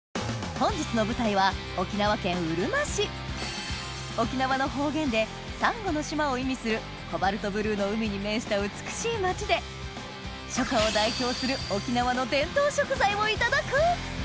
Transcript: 本日の舞台は沖縄の方言で「サンゴの島」を意味するコバルトブルーの海に面した美しい町でをいただく！